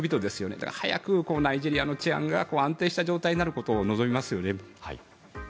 だから早くナイジェリアの治安が安定した状態になることを望みますよね。